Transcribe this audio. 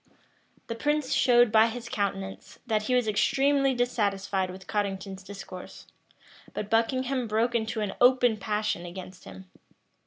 The prince showed by his countenance, that he was extremely dissatisfied with Cottington's discourse; but Buckingham broke into an open passion against him.